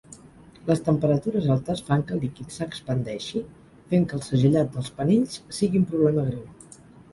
Les temperatures altes fan que el líquid s"expandeixi, fent que el segellat dels panells sigui un problema greu.